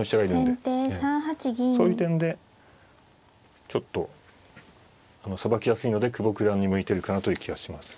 そういう点でちょっとさばきやすいので久保九段に向いてるかなという気がします。